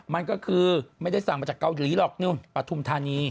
มันก็คือไม่ได้สั่งมาจากเกาหลีหรอกนู่นปฐุมธานี